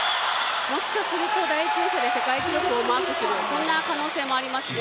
もしかすると第１泳者で世界記録をマークする可能性がありますね。